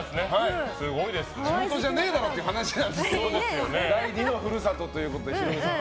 地元じゃねえだろって話もありますけど第２の故郷ということでヒロミさん。